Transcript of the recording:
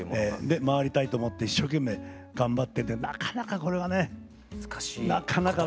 で回りたいと思って一生懸命頑張っててなかなかこれはね。難しいこと？